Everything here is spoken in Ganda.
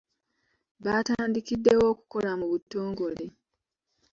Baatandikiddewo okukola mu butongole.